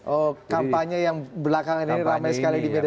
oh kampanye yang belakangan ini ramai sekali diberikan